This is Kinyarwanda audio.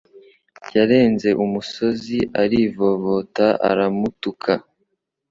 yarenze umusozi arivovota aramutuka.